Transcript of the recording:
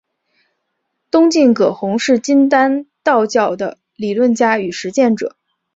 东晋葛洪是金丹道教的理论家与实践者。